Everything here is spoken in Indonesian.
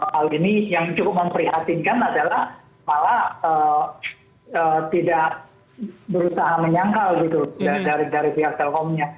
hal ini yang cukup memprihatinkan adalah malah tidak berusaha menyangkal gitu loh dari pihak telkomnya